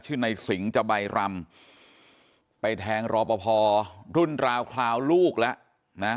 ในสิงห์จใบรำไปแทงรอปภรุ่นราวคราวลูกแล้วนะ